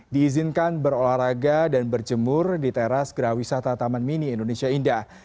diizinkan berolahraga dan berjemur di teras gerah wisata taman mini indonesia indah